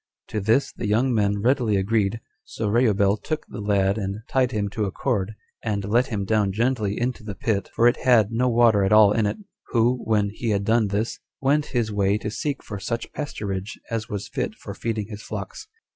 To this the young men readily agreed; so Reubel took the lad and tied him to a cord, and let him down gently into the pit, for it had no water at all in it; who, when he had done this, went his way to seek for such pasturage as was fit for feeding his flocks.